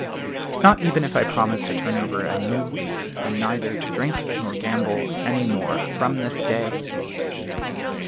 "Not even if I promise to turn over a new leaf, and neither to drink nor gamble any more from this day?"